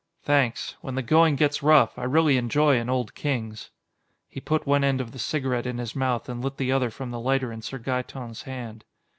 "Thanks. When the going gets rough, I really enjoy an Old Kings." He put one end of the cigarette in his mouth and lit the other from the lighter in Sir Gaeton's hand.